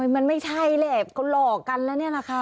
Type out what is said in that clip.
อ๋อมันไม่ใช่เลยก็หลอกกันแล้วนี่แหละค่ะ